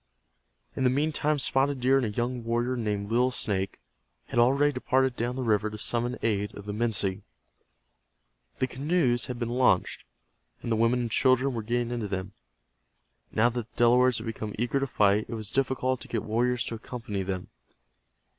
In the meantime Spotted Deer and a young warrior named Little Snake had already departed down the river to summon aid of the Minsi. The canoes had been launched, and the women and children were getting into them. Now that the Delawares had become eager to fight, it was difficult to get warriors to accompany them.